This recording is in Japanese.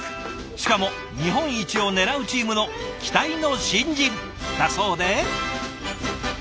しかも日本一を狙うチームの期待の新人だそうで。